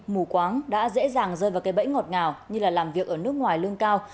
mù quáng đã dễ dàng rơi vào cái bẫy ngọt ngào như là làm việc ở nước ngoài lương cao